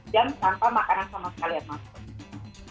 dan tanpa makanan sama sekali yang masuk